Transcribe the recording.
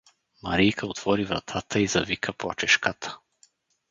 Марийка отвори вратата и завика плачешката.